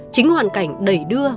chính hoàn cảnh đầy đưa